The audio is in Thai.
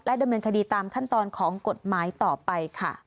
ดำเนินคดีตามขั้นตอนของกฎหมายต่อไปค่ะ